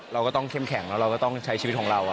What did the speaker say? เราก็ต้องเข้มแข็งแล้วเราก็ต้องใช้ชีวิตของเรา